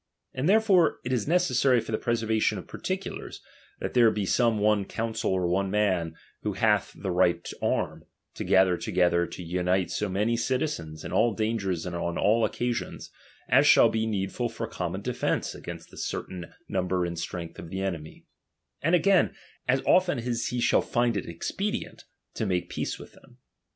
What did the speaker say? And therefore it is necessary for the preservation of particulars, that there be some one council or one man, who hath the right to arm, to gather to gether, to unite so many citizens, in all dangers and on all occasions, as shall be needful for common defence against the certain number and strength of the enemy ; and again, as often as he shall find it expedient, to make peace with them.